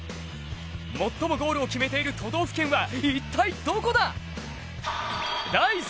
最もゴールを決めている都道府県は一体どこだ！？